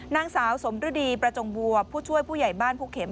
นางสาวสมฤดีประจงบัวผู้ช่วยผู้ใหญ่บ้านภูเข็ม